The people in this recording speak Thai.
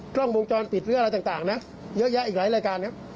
กล้องวงจรปิดหรืออะไรต่างนะเยอะแยะอีกหลายรายการครับ